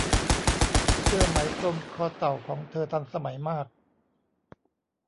เสื้อไหมพรมคอเต่าของเธอทันสมัยมาก